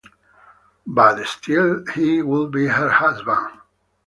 But still he would be her husband.